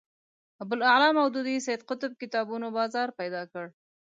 ابوالاعلی مودودي سید قطب کتابونو بازار پیدا کړ